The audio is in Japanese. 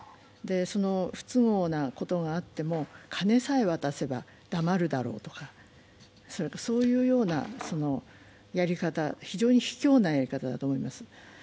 不都合なことがあっても、金さえわたせば黙るだろうとか、そういうようなやり方、非常にひきょうなやり方だと思います。